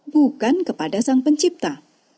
bukan kepada sang pencipta